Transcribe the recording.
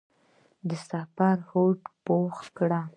د سفر هوډ مې پوخ کړ.